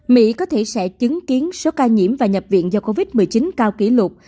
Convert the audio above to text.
mỹ có thể sẽ chứng kiến số ca nhiễm và nhập viện do covid một mươi chín cao kỷ lục